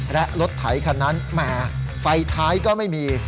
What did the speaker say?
และรถไถคันนั้นแหมไฟท้ายก็ไม่มี